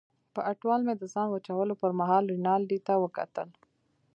په اټوال مې د ځان وچولو پرمهال رینالډي ته وکتل.